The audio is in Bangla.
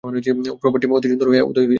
প্রভাতটি অতি সুন্দর হইয়া উদয় হইয়াছে।